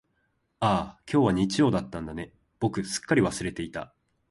ああ、今日は日曜だったんだね、僕すっかり忘れていた。